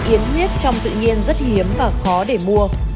yến huyết trong tự nhiên rất hiếm và khó để mua